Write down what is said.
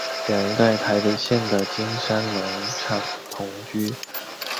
两人在台北县的金山农场同居。